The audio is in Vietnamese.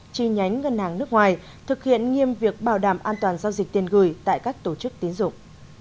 chi nhánh ngân hàng nước ngoài thực hiện nghiêm việc bảo đảm an toàn giao dịch tiền gửi tại các tổ chức tiến dụng